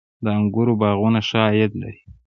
د انګورو باغونه ښه عاید لري؟